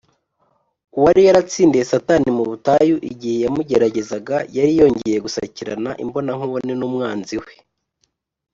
uwari yaratsindiye satani mu butayu igihe yamugeragezaga yari yongeye gusakirana imbonankubone n’umwanzi we